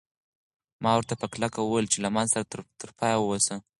ما ورته په کلکه وویل چې له ما سره تر پایه اوسه.